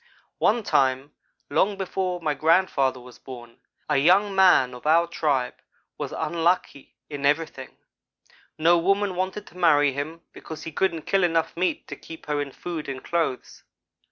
"One time, long before my grandfather was born, a young man of our tribe was unlucky in everything. No woman wanted to marry him, because he couldn't kill enough meat to keep her in food and clothes.